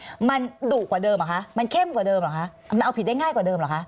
มันเรียกว่าอะไรมันดุกว่าเดิมหรอคะมันเข้มกว่าเดิมหรอคะมันเอาผิดได้ง่ายกว่าเดิมหรอคะ